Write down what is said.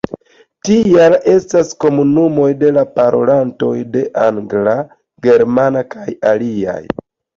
Tial estas komunumoj de parolantoj de la angla, germana kaj aliaj.